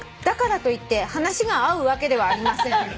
だからといって話が合うわけではありません」